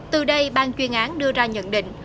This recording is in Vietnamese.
từ đây bang chuyên án đưa ra nhận định